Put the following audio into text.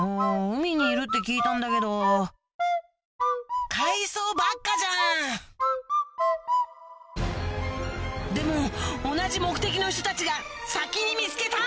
海にいるって聞いたんだけど海藻ばっかじゃんでも同じ目的の人たちが先に見つけた！